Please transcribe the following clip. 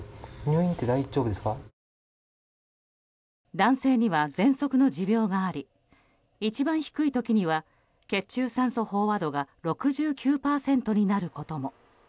男性にはぜんそくの持病があり一番低い時には血中酸素飽和度が６９％になることも。